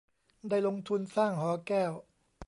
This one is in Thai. ได้ลงทุนสร้างหอแก้ว